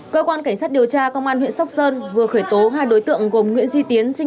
cơ quan cảnh sát điều tra công an huyện sóc sơn vừa khởi tố hai đối tượng gồm nguyễn duy tiến